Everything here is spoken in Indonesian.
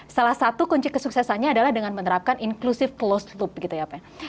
salah satu kunci kesuksesannya adalah dengan menerapkan inklusif closed loop